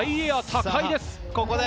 高いです！